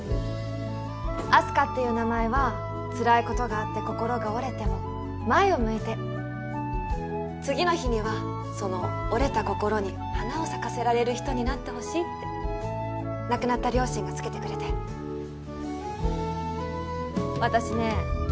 あす花っていう名前はつらいことがあって心が折れても前を向いて次の日にはその折れた心に花を咲かせられる人になってほしいって亡くなった両親がつけてくれて私ね